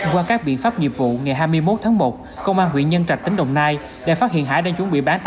qua các biện pháp nghiệp vụ ngày hai mươi một tháng một công an huyện nhân trạch tỉnh đồng nai đã phát hiện hải đang chuẩn bị bán